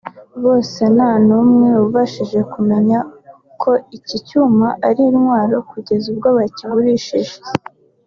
bose nta n’umwe wabashije kumenya ko iki cyuma ari intwaro kugeza ubwo bakigurishije